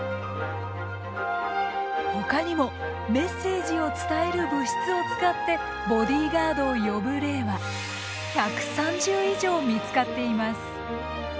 ほかにもメッセージを伝える物質を使ってボディガードを呼ぶ例は１３０以上見つかっています。